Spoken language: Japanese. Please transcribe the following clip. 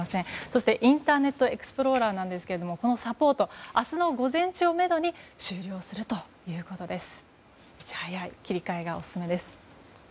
そして、インターネットエクスプローラーなんですがサポートは明日の午前中をめどに終了するということです。